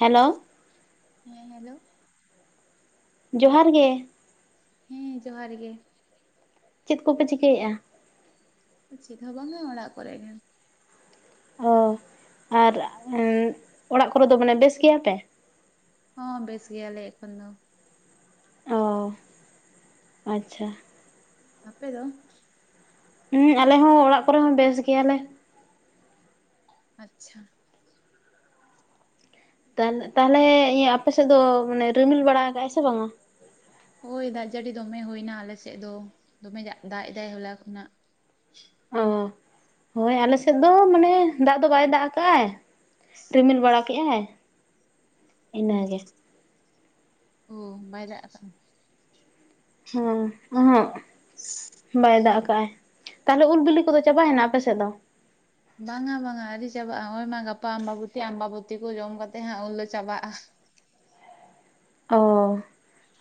hello ᱦᱮᱸ hello ᱡᱚᱦᱟᱨ ᱜᱮ ᱦᱮᱸ ᱡᱚᱦᱟᱨ ᱜᱮ ᱪᱮᱫ ᱠᱚᱯᱮ ᱪᱤᱠᱟᱹᱭᱮᱫᱼᱟ ᱪ ᱫᱚ ᱵᱟᱝᱟ ᱚᱲᱟᱜ ᱠᱚᱨᱮᱜ ᱚ ᱟᱨ ᱚᱲᱟᱜ ᱠᱚᱨᱮ ᱫᱚ ᱢᱟᱱᱮ ᱵᱮᱥ ᱜᱮᱭᱟ ᱯᱮ ᱦᱚᱸ ᱵᱮᱥ ᱜᱮᱭᱟᱞᱮ ᱮᱠᱷᱚᱱ ᱫᱚ ᱚ ᱟᱪᱪᱷᱟ ᱟᱯᱮ ᱫᱚ ᱦᱮᱸ ᱟᱞᱮ ᱦᱚᱸ ᱚᱲᱟᱜ ᱠᱚᱨᱮ ᱦᱚᱸ ᱵᱮᱥ ᱜᱮᱭᱟᱞᱮ ᱟᱪᱪᱷᱟ ᱛᱟᱦᱞᱮ ᱟᱯᱮ ᱥᱮᱫ ᱫᱚ ᱨᱤᱢᱤᱞ ᱵᱟᱲᱟ ᱠᱟᱜ ᱟᱭ ᱥᱮ ᱵᱟᱝᱟ ᱳᱭ ᱫᱟᱜ ᱡᱟᱹᱲᱤ ᱫᱚᱢᱮ ᱦᱩᱭ ᱱᱟ ᱟᱞᱮ ᱥᱮᱫ ᱫᱚ ᱫᱚᱢᱮ ᱫᱟᱜ ᱮᱫᱟᱭ ᱦᱚᱞᱟ ᱠᱷᱚᱱᱟᱜ ᱚ ᱦᱳᱭ ᱟᱞᱮ ᱥᱮᱫ ᱫᱚ ᱢᱟᱱᱮ ᱫᱟᱜ ᱫᱚ ᱵᱟᱭ ᱫᱟᱜ ᱟᱠᱟᱫ ᱟᱭ ᱨᱤᱢᱤᱞ ᱵᱟᱲᱟ ᱠᱮᱫᱮᱜᱼᱟᱭ ᱤᱱᱟᱹᱜᱮ ᱚ ᱵᱟᱭᱨᱟᱜ ᱠᱟᱱᱟ ᱦᱮᱸ ᱟ ᱵᱟᱭ ᱫᱟᱜ ᱟᱠᱟᱟᱜ ᱟᱭ ᱛᱟᱦᱞᱮ ᱩᱞ ᱵᱤᱞᱤ ᱠᱚᱫᱚ ᱪᱟᱵᱟᱭᱮᱱᱟ ᱟᱯᱮ ᱥᱮᱫ ᱫᱚ ᱵᱟᱝᱟ ᱵᱟᱝᱟ ᱟᱹᱰᱤ ᱪᱟᱵᱟᱜᱼᱟ ᱱᱚᱜᱼᱚᱭ ᱢᱟ ᱜᱟᱯᱟ ᱟᱢᱵᱟᱵᱛᱤ ᱟᱢᱵᱟᱵᱚᱛ ᱠᱚ ᱡᱚᱢ ᱠᱟᱛᱮᱮᱫ ᱦᱟᱸᱜ ᱩᱱᱞ ᱪᱟᱵᱟᱜᱼᱟ ᱚ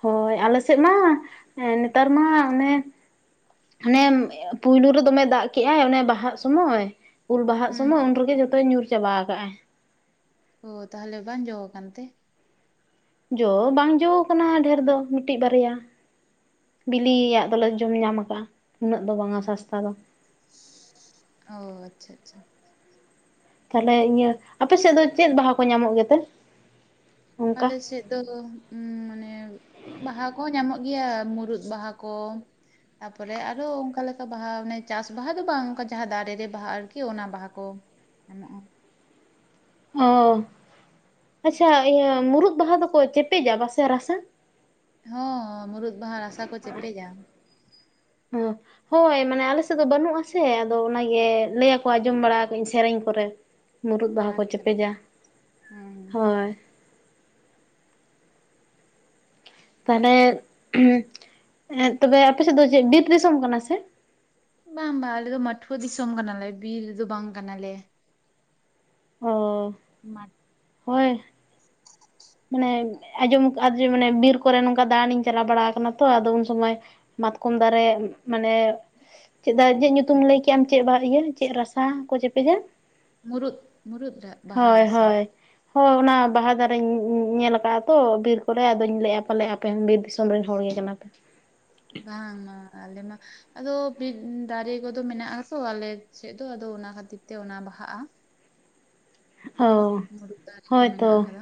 ᱦᱳᱭ ᱟᱞᱮ ᱥᱮᱫ ᱢᱟ ᱱᱮᱛᱟᱨ ᱢᱟ ᱚᱱᱮ ᱟᱱᱮ ᱯᱳᱭᱞᱳ ᱨᱮ ᱫᱚᱢᱮ ᱫᱟᱜ ᱠᱮᱜᱟᱭ ᱚᱱᱮ ᱵᱟᱦᱟᱜ ᱥᱚᱢᱚᱭ ᱩᱞ ᱵᱟᱦᱟᱜ ᱦᱩᱸ ᱥᱚᱢᱚᱭ ᱦᱩᱸ ᱩᱱᱨᱮᱜᱮ ᱡᱚᱛᱚᱭ ᱧᱩᱨ ᱪᱟᱵᱟ ᱟᱠᱟᱟᱜ ᱟᱭ ᱚ ᱛᱟᱦᱞᱮ ᱵᱟᱝ ᱡᱚ ᱠᱟᱱᱟᱱᱛᱮ ᱡᱚ ᱵᱟᱝ ᱡᱚ ᱠᱟᱱᱟ ᱰᱷᱮᱨ ᱫᱚ ᱢᱤᱫᱴᱤᱡ ᱵᱟᱨᱭᱟ ᱵᱤᱞᱤᱭᱟᱜ ᱫᱚᱞᱮ ᱡᱚᱢ ᱧᱟᱢ ᱠᱟᱜᱼᱟ ᱩᱱᱟᱹᱜ ᱫᱚ ᱵᱟᱝᱼᱟ ᱥᱟᱥᱛᱟ ᱫᱚ ᱚ ᱟᱪᱪᱷᱟ ᱟᱪᱪᱷᱟ ᱛᱟᱦᱞᱮ ᱤᱭᱟᱹ ᱟᱯᱮ ᱥᱮᱫ ᱫᱚ ᱪᱮᱫ ᱵᱟᱦᱟ ᱠᱚ ᱧᱟᱢᱚᱜ ᱜᱮᱛᱮ ᱚᱱᱠᱟ ᱟᱞ ᱥᱮᱫ ᱫᱚ ᱢᱟᱱᱮ ᱵᱟᱦᱟ ᱠᱚᱦᱚᱸ ᱧᱟᱢᱚᱜᱼᱟ ᱜᱮᱭᱟ ᱢᱩᱨᱩᱫ ᱵᱟᱦᱟ ᱠᱚ ᱛᱟᱨᱯᱚᱨᱮ ᱟᱨᱚ ᱚᱱᱠᱟ ᱞᱮᱠᱟ ᱵᱟᱦᱟᱮ ᱪᱟᱥ ᱵᱟᱦᱟ ᱫᱚ ᱵᱟᱝ ᱚᱱᱠᱟ ᱡᱟᱦᱟᱸ ᱫᱟᱨᱮ ᱨᱮ ᱵᱟᱦᱟ ᱟᱨᱠᱤ ᱚᱱᱟ ᱵᱟᱦᱟ ᱠᱚ ᱜᱟᱱᱚᱜᱼᱟ ᱦ ᱟᱪᱪᱷᱟ ᱤᱭᱟᱹ ᱢᱩᱨᱩᱫ ᱵᱟᱦᱟ ᱫᱚᱠᱚ ᱪᱮᱯᱮᱡᱟ ᱵᱟᱥᱮ ᱨᱟᱥᱟᱝ ᱦᱚᱸ ᱢᱩᱨᱩᱩᱫ ᱵᱟᱦᱟ ᱨᱟᱥᱟ ᱠᱚ ᱪᱮᱯᱮᱡᱟ ᱦᱸ ᱦᱳᱭ ᱢᱟᱱᱮ ᱟᱞᱮ ᱥᱮᱫ ᱫᱚ ᱵᱟᱹᱱᱩᱜ ᱟᱥᱮ ᱟᱫᱚ ᱚᱱᱟᱜᱮ ᱞᱟᱹᱭ ᱟᱠᱚ ᱟᱸᱡᱚᱢ ᱵᱟᱲᱟᱧ ᱥᱮᱨᱮᱧ ᱠᱚᱨᱮ ᱢᱩᱨᱩᱫ ᱵᱟᱦᱟ ᱠᱚ ᱟᱪᱪᱷᱟ ᱪᱮᱯᱮᱡᱟ ᱦᱩᱸ ᱦᱳᱭ ᱛᱟᱦᱞᱮ ᱛᱚᱵᱮ ᱟᱯᱮ ᱥᱮᱫ ᱫᱚ ᱪᱮᱫ ᱵᱤᱨ ᱫᱤᱥᱚᱢ ᱠᱟᱱᱟ ᱥᱮ ᱵᱟᱝ ᱵᱟᱝ ᱟᱞᱮ ᱫᱚ ᱢᱟᱟᱹᱴᱷᱩᱣᱟᱹ ᱫᱤᱥᱚᱢ ᱠᱟᱱᱟᱞᱮ ᱵᱤᱨ ᱫᱚ ᱵᱟᱝ ᱠᱟᱱᱟᱞᱮ ᱚ ᱢᱟ ᱦᱳᱭ ᱢᱟᱱᱮ ᱟᱸᱡᱚᱢᱟᱱᱮ ᱵᱤᱨ ᱠᱚᱨᱮ ᱱᱚᱝᱠᱟ ᱫᱟᱬᱟᱱᱤᱧ ᱪᱟᱞᱟᱣ ᱵᱟᱲᱟ ᱠᱟᱱᱟ ᱛᱚ ᱟᱫᱚ ᱩᱱ ᱥᱚᱢᱚᱭ ᱢᱟᱛᱠᱚᱢ ᱫᱟᱨᱮ ᱢᱟᱱᱮ ᱪᱮᱫᱟᱜ ᱪᱮᱫ ᱧᱩᱛᱩᱢ ᱞᱟᱹᱭ ᱠᱮᱜ ᱟᱢ ᱪᱮᱫ ᱤᱭᱟᱹ ᱪᱮᱫ ᱨᱟᱥᱟ ᱠᱚ ᱪᱮᱯᱮᱜᱟ ᱢᱩᱩᱨᱩᱫ ᱢᱩᱩᱨᱩᱩᱫ ᱨᱮ ᱵᱟᱦᱟ ᱨᱟᱥᱟ ᱦᱳᱭ ᱦᱳᱭ ᱚᱱᱟ ᱵᱟᱦᱟ ᱫᱟᱨᱮᱧ ᱧᱮᱞ ᱠᱟᱜᱼᱟ ᱛᱚ ᱵᱤᱨ ᱠᱚᱨᱮᱜ ᱟᱫᱚᱧ ᱞᱟᱹᱭᱼᱟ ᱯᱟᱞᱮ ᱟᱯᱮ ᱦᱚᱸ ᱵᱤᱨ ᱫᱤᱥᱚᱢ ᱨᱮᱱ ᱦᱚᱲ ᱜᱮ ᱠᱟᱱᱟᱯᱮ ᱵᱟᱝᱟ ᱟᱞᱮ ᱢᱟ ᱟᱫᱚ ᱵᱤᱨ ᱫᱟᱨᱮ ᱠᱚᱫᱚ ᱢᱮᱱᱟᱜ ᱟᱛᱚ ᱟᱞᱮ ᱥᱮᱫ ᱫᱚ ᱟᱫᱚ ᱚᱱᱟ ᱠᱷᱟᱹᱛᱤᱨ ᱛᱮ ᱚᱱᱟ ᱵᱟᱦᱟᱜᱼᱟ ᱚ ᱢᱩᱨᱩᱫ ᱫᱟᱨᱮ ᱠᱚ ᱢᱮᱱᱟᱜ ᱦᱳᱭᱛᱚ ᱟᱠᱟᱫᱟ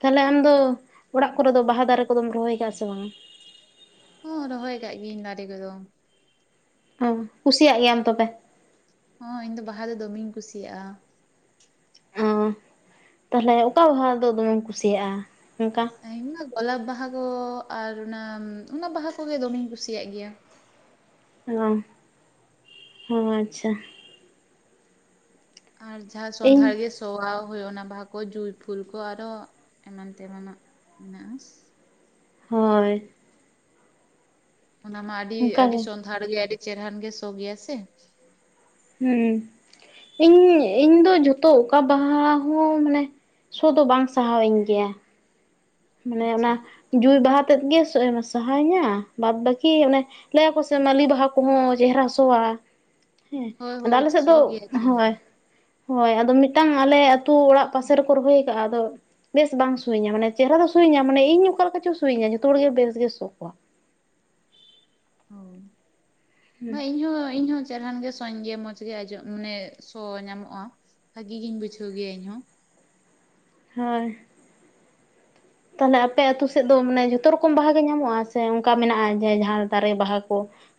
ᱛᱟᱦᱞᱮ ᱟᱢᱫᱚ ᱚᱲᱟᱜ ᱠᱚᱨᱮ ᱫᱚ ᱵᱟᱦᱟ ᱫᱟᱨᱮ ᱠᱚᱫᱚᱢ ᱨᱚᱦᱚᱭ ᱠᱟᱜᱼᱟ ᱥᱮ ᱵᱟᱝᱟ ᱦᱚᱸ ᱨᱚᱦᱚᱭ ᱟᱠᱟᱟᱜ ᱜᱤᱭᱟᱹᱧ ᱫᱟᱨᱮ ᱠᱚᱫᱚ ᱚ ᱠᱩᱥᱤᱭᱟᱜ ᱜᱮᱭᱟᱢ ᱛᱚᱵᱮ ᱦᱚᱸ ᱤᱧ ᱫᱚ ᱵᱟᱦᱟ ᱫᱚ ᱫᱚᱢᱮᱧ ᱠᱩᱥᱤᱭᱟᱜᱼᱟ ᱚ ᱛᱟᱦᱞᱮ ᱚᱠᱟ ᱵᱟᱦᱟ ᱫᱚ ᱫᱚᱢᱮᱢ ᱠᱩᱥᱤᱭᱟᱜᱼᱟ ᱚᱱᱠᱟ ᱢᱟ ᱜᱳᱞᱟᱯ ᱵᱟᱦᱟᱜ ᱟᱨ ᱚᱱᱟ ᱚᱱᱟ ᱵᱟᱦᱟ ᱠᱚᱜᱮ ᱫᱚᱢᱮᱧ ᱠᱩᱥᱤᱭᱟᱜ ᱜᱮᱭᱟ ᱚ ᱦ ᱟᱪᱪᱷᱟ ᱟᱨ ᱡᱟᱦᱟᱸ ᱥᱚᱸᱫᱷᱟᱲ ᱤᱧ ᱜᱮ ᱥᱚᱣᱟ ᱦᱳᱭ ᱚᱱᱟ ᱵᱟᱦᱟ ᱠᱚ ᱡᱩᱭ ᱯᱷᱩᱞ ᱠᱚ ᱟᱨᱚ ᱮᱢᱟᱱ ᱛᱮᱢᱟᱱᱟᱜ ᱢᱮᱱᱟᱜᱼᱟ ᱦᱳᱭ ᱚᱱᱟ ᱢᱟ ᱟᱹᱰᱤ ᱟᱹᱰᱤ ᱚᱱᱠᱟᱜᱮ ᱥᱚᱸᱫᱷᱟᱲ ᱜᱮ ᱟᱹᱰᱤ ᱪᱮᱦᱨᱟᱱ ᱜᱮ ᱥᱚ ᱜᱮᱭᱟ ᱥᱮ ᱦᱮᱸ ᱤᱧ ᱤᱧ ᱫᱚ ᱡᱚᱛᱚ ᱚᱠᱟ ᱵᱟᱦᱟ ᱦᱚᱸ ᱢᱟᱱᱮ ᱥᱚ ᱫᱚ ᱵᱟᱝ ᱥᱟᱦᱟᱣᱤᱧ ᱜᱮᱭᱟ ᱢᱟᱱᱮ ᱚᱱᱟ ᱟᱪᱪᱷᱟ ᱡᱩᱭ ᱵᱟᱦᱟ ᱛ ᱜᱮ ᱥ ᱮᱢ ᱥᱟᱦᱟᱭᱤᱧᱟ ᱵᱟᱫ ᱵᱟᱹᱠᱤ ᱚᱱᱮ ᱞᱟᱹᱭᱟᱠᱚ ᱥᱮ ᱢᱟᱹᱞᱤ ᱵᱟᱦᱟ ᱠᱚᱦᱚᱸ ᱪᱮᱦᱨᱟ ᱥᱚᱣᱟ ᱦᱮᱸ ᱦᱳᱭ ᱟᱫᱚ ᱦᱳᱭ ᱟᱞᱮ ᱥᱮᱫ ᱥᱚ ᱫᱚ ᱜᱮᱭᱟ ᱦᱳᱭ ᱪᱮᱦᱨᱟ ᱦᱳᱭ ᱟᱫᱚ ᱢᱤᱫᱴᱟᱝ ᱟᱞᱮ ᱟᱹᱛᱩ ᱚᱲᱟᱜ ᱯᱟᱥᱮ ᱨᱮᱠᱚ ᱨᱚᱦᱚᱭ ᱠᱟᱜ-ᱟ ᱟᱫᱚ ᱵᱮᱥ ᱵᱟᱝ ᱥᱩᱭᱤᱧᱟ ᱢᱟᱱᱮ ᱪᱮᱦᱨᱟ ᱫᱚ ᱥᱩᱭᱤᱧᱟ ᱢᱟᱱᱮ ᱤᱧ ᱚᱠᱟ ᱞᱮᱠᱟ ᱪᱚ ᱥᱩᱭᱤᱧᱟ ᱡᱚᱛᱚ ᱦᱚᱲ ᱜᱮ ᱵᱮᱥ ᱜᱮ ᱥᱚ ᱠᱚᱣᱟ ᱤᱧ ᱦᱚᱸ ᱤᱧ ᱦᱚᱸ ᱪᱮᱨᱦᱟᱱ ᱜᱮ ᱥᱚᱭᱮᱧ ᱜᱮ ᱢᱚᱡᱽ ᱜᱮ--ᱢᱟᱱᱮ ᱥᱚ ᱧᱟᱢᱚᱜᱼᱟ ᱵᱷᱟᱹᱜᱤ ᱜᱤᱧ ᱵᱩᱡᱷᱟᱹᱣ ᱜᱮᱭᱟ ᱤᱧᱦᱚᱸ ᱦᱳᱭ ᱛᱟᱦᱞᱮ ᱟᱯᱮ ᱟᱹᱛᱩ ᱥᱮᱫ ᱫᱚ ᱢᱟᱱᱮ ᱡᱷᱚᱛᱚ ᱨᱚᱠᱚᱢ ᱵᱟᱦᱟ ᱜᱮ ᱧᱟᱢᱚᱜᱼᱟ ᱥᱮ ᱚᱱᱠᱟ ᱢᱮᱱᱟᱜᱼᱟ ᱡᱮ ᱡᱟᱦᱟᱸ ᱫᱟᱨᱮ ᱵᱟᱦᱟ ᱠᱚ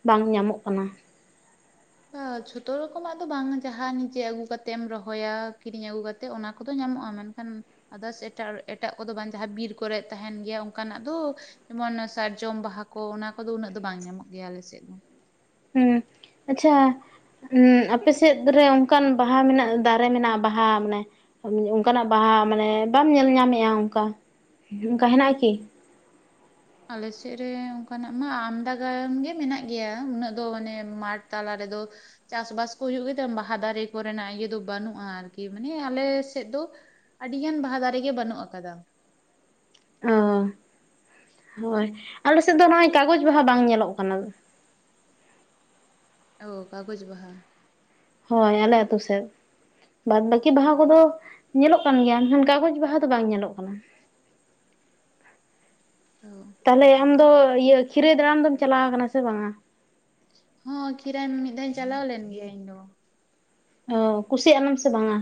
ᱵᱟᱝ ᱧᱟᱢᱚᱜ ᱠᱟᱱᱟ ᱵᱟ ᱡᱷᱚᱛᱚ ᱨᱚᱠᱚᱢᱟᱜ ᱫᱚ ᱵᱟᱝ ᱡᱟᱦᱟᱸ ᱱᱤᱡᱮ ᱟᱹᱜᱩ ᱠᱟᱛᱮᱢ ᱨᱚᱦᱚᱭᱟ ᱠᱤᱨᱤᱧ ᱟᱹᱜᱩ ᱠᱟᱛᱮᱜ ᱚᱱᱟ ᱠᱚᱫᱚ ᱧᱟᱢ [unintelligible] ᱜᱟ ᱢᱮᱱᱠᱷᱟᱱ ᱟᱫᱟᱥ ᱮᱴᱟᱜ ᱠᱚᱫᱚ ᱵᱟᱝ ᱡᱟᱦᱟᱸ ᱵᱤᱨ ᱠᱚᱨᱮᱜ ᱛᱟᱦᱮᱱ ᱜᱮᱭᱟ ᱚᱱᱠᱟᱱᱟᱜ ᱫᱚ- [unintelligible] ᱥᱟᱨᱡᱚᱢ ᱵᱟᱦᱟ ᱠᱚ ᱚᱱᱟ ᱠᱚᱫᱚ ᱩᱱᱟᱹᱜ ᱫᱚ ᱵᱟᱝ ᱧᱟᱢᱚᱜ ᱜᱮᱭᱟ ᱟᱞᱮ ᱥᱮᱫ ᱫᱚ ᱦᱩᱸ ᱟᱪᱪᱷᱟ ᱦᱩᱸ ᱟᱯᱮ ᱥᱮᱫ ᱨᱮ ᱚᱱᱠᱟᱱ ᱵᱟᱦᱟ ᱢᱮᱱᱟᱜᱼᱟ ᱫᱟᱨᱮ ᱢᱮᱱᱟᱜᱼᱟ ᱵᱟᱦᱟ ᱢᱟᱱᱮ ᱚᱱᱠᱟᱱᱟᱜ ᱵᱟᱦᱟ ᱢᱟᱱᱮ ᱵᱟᱢ ᱧᱮᱞ ᱧᱟᱢᱮᱜᱼᱟ ᱚᱱᱠᱟ, ᱚᱱᱠᱟ ᱦᱮᱱᱟᱜ ᱟᱠᱤ ᱟᱞᱮᱥᱮᱜ ᱨᱮ ᱚᱱᱠᱟ ᱱᱟᱜ ᱢᱟ ᱟᱢᱫᱟ ᱜᱟᱱ ᱜᱮ ᱢᱮᱱᱟᱜ ᱜᱮᱭᱟ ᱩᱱᱟᱹᱜ ᱫᱚ ᱟᱱᱮ ᱢᱟᱴᱷ ᱛᱟᱞᱟᱨᱮ ᱟᱞᱮ ᱫᱚ ᱪᱟᱥ ᱵᱟᱥ ᱠᱚ ᱦᱩᱭᱩᱜ ᱜᱮᱛᱮ ᱵᱟᱦᱟ ᱫᱟᱨᱮ ᱠᱚᱨᱮᱱᱟᱜ ᱤᱭᱟᱹ ᱫᱚ ᱵᱟᱹᱱᱩᱜᱼᱟ ᱟᱨᱠᱤ ᱢᱟᱱᱮ ᱟᱞᱮ ᱥᱮᱫ ᱫᱚ ᱟᱹᱰᱤᱜᱟᱱ ᱵᱟᱦᱟ ᱫᱟᱨᱮᱜᱮ ᱵᱟᱹᱱᱩᱜ ᱟᱠᱟᱫᱟ ᱚ ᱦᱳᱭ ᱟᱞᱮ ᱥᱮᱫ ᱫᱚ ᱱᱚᱜᱼᱚᱭ ᱠᱟᱜᱚᱡᱽ ᱵᱟᱦᱟ ᱵᱟᱝ ᱧᱮᱞᱚᱜ ᱠᱟᱱᱟ ᱳ ᱠᱟᱜᱚᱡᱽ ᱵᱟᱦᱟ ᱦᱳᱭ ᱟᱞᱮ ᱟᱛᱳ ᱥᱮᱫ ᱵᱟᱫᱽ ᱵᱟᱹᱠᱤ ᱵᱟᱦᱟ ᱠᱚᱫᱚ ᱧᱮᱞᱚᱜ ᱠᱟᱱ ᱜᱮᱭᱟ [unintelligible] ᱠᱟᱜᱚᱡᱽ ᱵᱟᱦᱟ ᱫᱚ ᱵᱟᱝ ᱧᱮᱞᱚᱜ ᱠᱟᱱᱟ [unintelligible] ᱚ ᱛᱟᱦᱞᱮ ᱟᱢᱫᱚ ᱤᱭᱟᱹ ᱠᱷᱤᱨᱟᱹᱭ ᱫᱟᱲᱟᱱ ᱫᱚᱢ ᱪᱟᱞᱟᱣ ᱠᱟᱱᱟ ᱥᱮ ᱵᱟᱝ-ᱟ ᱦᱚᱸ ᱠᱷᱤᱨᱟᱹᱭ ᱢᱤᱫ ᱫᱷᱟᱣ ᱤᱧ ᱪᱟᱞᱟᱣ ᱞᱮᱱ ᱜᱮᱭᱟ ᱤᱧ ᱫᱚ ᱚ ᱠᱩᱥᱤ ᱟᱱᱟᱢ ᱥᱮ ᱵᱟᱝᱼᱟ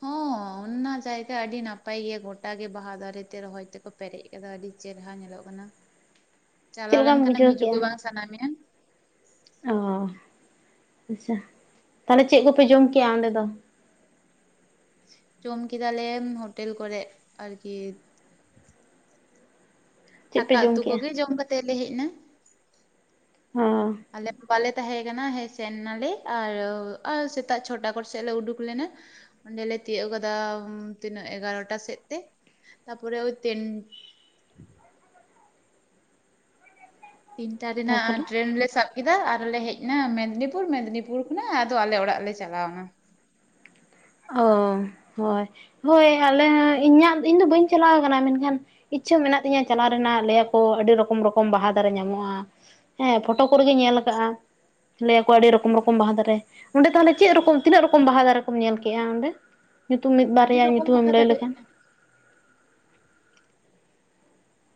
ᱦᱚᱸ ᱚᱱ-ᱱᱟ ᱡᱟᱭᱜᱟ ᱟᱹᱰᱤ ᱱᱟᱯᱟᱭ ᱜᱮᱭᱟ ᱜᱚᱴᱟᱜ ᱜᱮ ᱵᱟᱦᱟ ᱫᱟᱨᱮ ᱛᱮ ᱨᱚᱦᱚᱭ ᱛᱮᱠᱚ ᱯᱮᱨᱮᱡ ᱠᱟᱫᱟ ᱟᱹᱰᱤ ᱪᱮᱨᱦᱨᱟ ᱧᱮᱞᱚᱜ ᱠᱟᱱᱟ [unintelligible] ᱪᱟᱞᱟᱣ ᱞᱮᱱ ᱞᱮᱠᱟᱢ ᱠᱷᱟᱱᱮᱢ ᱵᱩᱡᱷᱟᱹᱣ ᱦᱤᱡᱩᱜ ᱜᱮ ᱠᱮᱜᱼᱟ ᱵᱟᱝ ᱥᱟᱱᱟ ᱢᱮᱭᱟ ᱚ ᱟᱪᱪᱷᱟ ᱛᱟᱦᱞᱮ ᱪᱮᱫ ᱠᱚᱯᱮ ᱡᱚᱢ ᱠᱮᱜᱼᱟ ᱚᱸᱰᱮ ᱫᱚ ᱡᱚᱢ ᱠᱮᱫᱟᱞᱮ ᱦᱳᱴᱮᱞ ᱠᱚᱨᱮᱜ ᱟᱨᱠᱤ ᱪᱮᱫ ᱫᱟᱠᱟ ᱯᱮ ᱡᱚᱢ ᱩᱛᱩ ᱠᱮᱜᱼᱟ ᱠᱚᱜᱮ ᱡᱚᱢ ᱠᱟᱛᱮᱜ ᱞᱮ ᱦᱮᱡ ᱱᱟ ᱚ ᱟᱞᱮ [unintelligible] ᱛᱟᱦᱮᱸ ᱠᱟᱱᱟ ᱦᱮᱡ ᱥᱮᱱ ᱱᱟᱞᱮ ᱟᱨ, ᱟᱨ ᱥᱮᱛᱟᱜ ᱪᱷᱚᱴᱟ ᱠᱚ ᱥᱮᱫ ᱞᱮ ᱩᱰᱩᱠ ᱞᱮᱱᱟ ᱚᱸᱰᱮ ᱞᱮ ᱛᱤᱭᱳᱜ ᱠᱟᱫᱟ ᱛᱤᱱᱟᱹᱜ ᱮᱜᱟᱨᱚᱴᱟ ᱥᱮᱫ ᱛᱮ ᱛᱟ ᱯᱚᱨᱮ ᱳᱭ ᱛᱤᱱ [inaudible] ᱛᱤᱱᱴᱟ ᱨᱮᱱᱟᱜ ᱛᱟᱯᱚᱨᱮ ᱴᱨᱮᱱ ᱞᱮ ᱥᱟᱵ ᱠᱮᱫᱟ ᱟᱨ ᱞᱮ ᱦᱮᱡ ᱱᱟ ᱢᱮᱫᱽᱱᱤᱯᱩᱨ ᱢᱮᱫᱽᱱᱤᱯᱩᱨ ᱠᱷᱚᱱᱟᱜ ᱟᱫᱚ ᱟᱞᱮ ᱚᱲᱟᱜ ᱞᱮ ᱪᱟᱞᱟᱣᱱᱟ ᱚ ᱦᱳᱭ, ᱦᱳᱭ ᱟᱞᱮ ᱤᱧᱟᱹᱜ ᱤᱧᱫᱚ ᱵᱟᱹᱧ ᱪᱟᱞᱟᱣ ᱠᱟᱱᱟ ᱢᱮᱱᱠᱷᱟᱱ [unintelligible] ᱪᱷᱟ ᱢᱮᱱᱟᱜ ᱛᱤᱧᱟ ᱪᱟᱞᱟᱣ ᱨᱮᱱᱟᱜ ᱞᱟᱹᱭ ᱟᱠᱚ ᱟᱹᱰᱤ ᱨᱚᱠᱚᱢ ᱨᱚᱠᱚᱢ ᱵᱟᱦᱟ ᱫᱟᱨᱮ ᱧᱟᱢᱚᱜᱼᱟ ᱦᱮᱸ ᱯᱷᱳᱴᱳ ᱠᱚᱨᱮ ᱜᱮ ᱧᱮᱞ ᱠᱟᱜᱼᱟ ᱞᱟᱹᱭ ᱟᱠᱚ ᱟᱹᱰᱤ ᱨᱚᱠᱚᱢ ᱨᱚᱠᱚᱢ ᱵᱟᱦᱟ ᱫᱟᱨᱮ ᱚᱸᱰᱮ ᱛᱟᱞᱦᱮ ᱪᱮᱫ ᱨᱚᱠᱚᱢ ᱛᱤᱱᱟᱹᱜ ᱨᱚᱠᱚᱢ ᱵᱟᱦᱟ ᱫᱟᱨᱮ ᱠᱚᱢ ᱧᱮᱞᱼ ᱠᱮᱜ-ᱟ ᱚᱸᱰᱮ ᱧᱩᱛᱩᱢ ᱢᱤᱫ ᱟᱹᱰᱤ ᱵᱟᱨᱭᱟ ᱨᱚᱠᱚᱢ ᱧᱩᱛᱩᱢ ᱮᱢ ᱵᱟᱦᱟ ᱞᱟᱹᱭ ᱫᱟᱨᱮ ᱞᱮᱠᱷᱟᱱ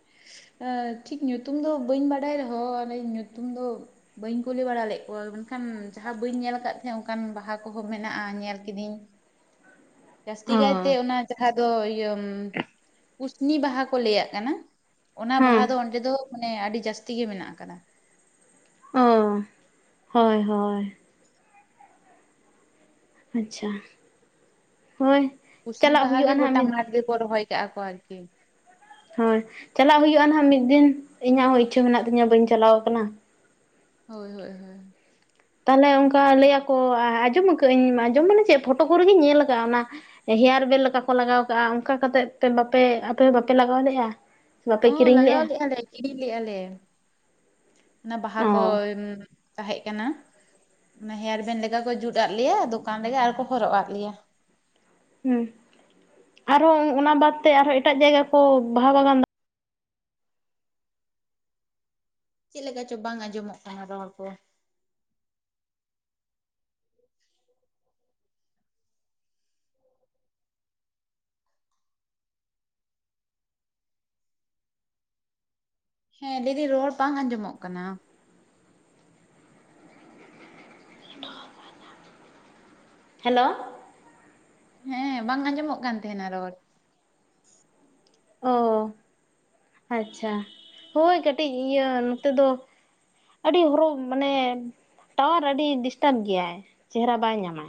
[unintelligible] [inaudible] [inaudible] [inaudible] [unintelligible] [unintelligible] [unintelligible] [unintelligible] [inaudible] [inaudible] [inaudible] [unintelligible] [unintelligible] ᱴᱷᱤᱠ ᱧᱩᱛᱩᱢ ᱫᱚ ᱵᱟᱹᱧ ᱵᱟᱰᱟᱭ ᱨᱮᱦᱚᱸ ᱚᱱᱮ ᱧᱩᱛᱩᱢ ᱫᱚ ᱵᱟᱹᱧ ᱠᱩᱞᱤ ᱵᱟᱲᱟ ᱞᱮᱫ ᱠᱚᱣᱟ ᱢᱮᱱᱠᱷᱟᱱ ᱩ ᱡᱟᱦᱟᱸ ᱵᱟᱹᱧ ᱧᱮᱞ ᱠᱟᱫ ᱛᱟᱦᱮᱱ ᱚᱱᱠᱟᱱ ᱵᱟᱦᱟ ᱠᱚᱦᱚᱸ ᱢᱮᱱᱟᱜᱼᱟ ᱧᱮᱞ ᱠᱤᱫᱤᱧ ᱡᱟᱥᱛᱤ ᱠᱟᱭ ᱛᱮ ᱚ ᱚᱱᱟ ᱡᱟᱦᱟᱸ ᱫᱚ ᱤᱭᱟᱹ ᱠᱩᱥᱱᱤ ᱵᱟᱦᱟ ᱠᱚ ᱞᱟᱹᱭᱟᱜ ᱠᱟᱱᱟ ᱚᱱᱟ ᱦᱮᱸ ᱵᱟᱦᱟ ᱫᱚ ᱚᱸᱰᱮ ᱫᱚ ᱢᱟᱱᱮ ᱟᱹᱰᱤ ᱡᱟᱹᱥᱛᱤ ᱜᱮ ᱢᱮᱱᱟᱜ ᱟᱠᱟᱫᱟ ᱚ ᱦᱳᱭ ᱦᱳᱭ ᱟᱪᱪᱷᱟ ᱦᱳᱭ ᱠᱩᱥᱱᱤ ᱪᱟᱞᱟᱜ ᱵᱟᱦᱟ ᱜᱮ ᱦᱩᱭᱩᱜᱼᱟ ᱱᱟᱦᱟᱜ ᱜᱳᱚᱴᱟ ᱢᱤᱫ ᱢᱟᱴᱷ ᱜᱮᱠᱚ ᱨᱚᱦᱚᱭ ᱠᱟᱜᱼᱟ ᱠᱚ ᱟᱨᱠᱤ ᱦᱳᱭ ᱪᱟᱞᱟᱜ ᱦᱩᱭᱩᱜᱼᱟ ᱱᱟᱦᱜ ᱢᱤᱫ ᱫᱤᱱ ᱤᱧᱟᱹᱜ ᱦᱚᱸ ᱤᱪᱪᱷᱟᱹ ᱢᱮᱱᱟᱜ ᱛᱤᱧᱟᱹ ᱵᱟᱹᱧ ᱪᱟᱞᱟᱣ ᱠᱟᱱᱟ ᱦᱳᱭ ᱦᱳᱭ ᱦᱳᱭ ᱛᱟᱦᱞᱮ ᱚᱱᱠᱟ ᱞᱟᱹᱭᱟᱠᱚ ᱟᱸᱡᱚᱢ ᱟᱠᱟᱫ ᱟᱹᱧ ᱟᱸᱡᱚᱢ ᱢᱟᱱᱮ ᱪᱮᱫ ᱯᱷᱳᱴᱳ ᱠᱚᱨᱮᱜᱤᱧ ᱧᱮᱞ ᱟᱠᱟᱫᱼᱟ ᱚᱱᱟ ᱦᱮᱭᱟᱨ ᱵᱮᱮᱞ ᱞᱮᱠᱟ ᱠᱚ ᱞᱟᱜᱟᱣ ᱠᱟᱜᱼᱟ ᱚᱱᱠᱟ ᱠᱟᱛᱮᱮᱫ ᱵᱟᱯᱮ ᱟᱯᱮ ᱦᱚᱸ ᱵᱟᱯᱮ ᱞᱟᱜᱟᱣ ᱞᱮᱼᱟ ᱦᱚᱸ ᱞᱟᱜᱟᱣ ᱞᱮᱫᱼᱟ ᱞᱮ ᱠᱤᱨᱤᱧ ᱞᱮᱫᱼᱟ ᱞᱮ ᱚᱱᱟ ᱵᱟᱦᱟ ᱠᱚ ᱚ ᱛᱟᱦᱮᱸ ᱠᱟᱱᱟ ᱚᱱᱟ ᱦᱮᱭᱟᱨ ᱵᱮᱱ ᱞᱮᱠᱟ ᱠᱚ ᱡᱩᱛ ᱟᱫ ᱞᱮᱭᱟ ᱫᱚᱠᱟᱱ ᱨᱮᱜᱮ ᱟᱨ ᱠᱚ ᱦᱚᱨᱚᱜ ᱟᱫ ᱞᱮᱭᱟ ᱦᱮᱸ ᱟᱨᱦᱚᱸ ᱚᱱᱟ ᱵᱟᱫᱛᱮ ᱟᱨᱦᱚᱸ ᱮᱴᱟᱜ ᱡᱟᱭᱜᱟ ᱠᱚ ᱵᱟᱦᱟ ᱵᱟᱜᱟᱱ ᱫᱟ ᱪᱮᱫ ᱞᱮᱠᱟ ᱪᱚ ᱵᱟᱝ ᱟᱸᱡᱚᱢᱚᱜ ᱠᱟᱱᱟ ᱨᱚᱲ ᱠᱚ ᱦᱮᱸ ᱫᱤᱫᱤ ᱨᱚᱲ ᱵᱟᱝ ᱟᱸᱡᱚᱢᱚᱜ ᱠᱟᱱᱟ ᱦᱮᱞᱳ ᱦᱮᱸ ᱵᱟᱝ ᱟᱸᱡᱚᱢᱚᱜ ᱠᱟᱱ ᱛᱟᱦᱮᱱᱟ ᱨᱚᱲ ᱚ ᱟᱪᱪᱷᱟ ᱦᱳᱭ ᱠᱟᱹᱴᱤᱡ ᱤᱭᱟᱹ ᱱᱚᱛᱮ ᱫᱚ ᱟᱹᱰᱤ ᱦᱚᱨᱚᱜ ᱢᱟᱱᱮ ᱴᱟᱣᱟᱨ ᱟᱹᱰᱤ ᱰᱤᱥᱴᱟᱵᱽ ᱜᱮᱭᱟᱭ ᱪᱮᱦᱨᱟ ᱵᱟᱭ ᱧᱟᱢᱟ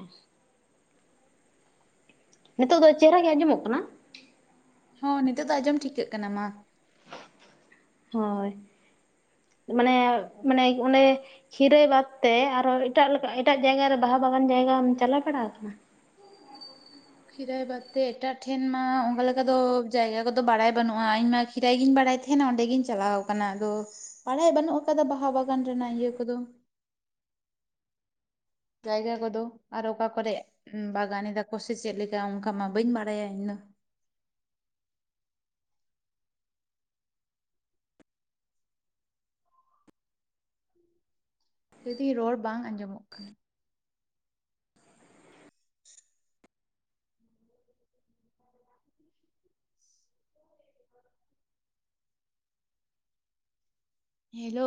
ᱱᱤᱛᱚᱜ ᱫᱚ ᱪᱮᱦᱨᱟ ᱜᱮ ᱟᱸᱡᱚᱢᱚᱜ ᱠᱟᱱᱟ ᱦᱚᱸ ᱱᱤᱛᱚᱜ ᱫᱚ ᱟᱸᱡᱚᱢ ᱴᱷᱤᱠᱟᱹᱜ ᱠᱟᱱᱟ ᱢᱟ ᱦᱳᱭ ᱢᱟᱱᱮ ᱢᱟᱱᱮ ᱚᱸᱰᱮ ᱠᱷᱤᱨᱟᱹᱭ ᱵᱟᱫ ᱛᱮ ᱟᱨᱦᱚᱸ ᱮᱴᱟᱜ ᱞᱮᱠᱟ ᱮᱴᱟᱜ ᱡᱟᱭᱜᱟ ᱨᱮ ᱵᱟᱦᱟ ᱵᱟᱜᱟᱱ ᱡᱟᱭᱜᱟᱟᱢ ᱪᱟᱞᱟᱣ ᱵᱟᱲᱟ ᱟᱠᱟᱱᱟ ᱠᱷᱤᱨᱟᱭ ᱵᱟᱫᱛᱮ ᱮᱴᱟᱜ ᱴᱷᱮᱱ ᱢᱟ ᱚᱱᱠᱟ ᱞᱮᱠᱟ ᱫᱚ ᱡᱟᱭᱜᱟ ᱠᱚᱫᱚ ᱵᱟᱲᱟᱭ ᱵᱟᱹᱱᱩᱜᱼᱟ ᱤᱧᱢᱟ ᱠᱷᱤᱨᱟᱭ ᱜᱤᱧ ᱵᱟᱲᱟᱭᱟ ᱵᱟᱲᱟᱭ ᱛᱟᱦᱮᱱᱟ ᱚᱸᱰᱮᱜᱤᱧ ᱪᱟᱞᱟᱣ ᱠᱟᱱᱟ ᱟᱫᱚ ᱵᱟᱲᱟᱭ ᱵᱟᱹᱱᱩᱜ ᱟᱠᱟᱫᱟ ᱵᱟᱦᱟ ᱵᱟᱜᱟᱱ ᱨᱮᱱᱟᱜ ᱤᱭᱟᱹ ᱠᱚᱫᱚ ᱟᱨ [unintelligible] ᱡᱟᱭᱜᱟ ᱠᱚᱫᱚ ᱟᱨ ᱚᱠᱟ ᱠᱚᱨᱮ ᱵᱟᱜᱟᱱ ᱮᱫᱟᱠᱚ ᱥᱮ ᱪᱮᱫᱮᱠᱟ ᱚᱱᱠᱟ ᱢᱟ ᱵᱟᱹᱧ ᱵᱟᱲᱟᱭᱟ ᱤᱧ ᱫᱚ ᱟ [unintelligible] ᱡᱚᱫᱤ ᱨᱚᱲ ᱵᱟᱝ ᱟᱸᱡᱚᱢᱚᱜ ᱠᱟᱱᱟ ᱦᱮᱞᱳ